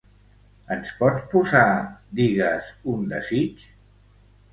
Ens pots posar "Digues un desig"?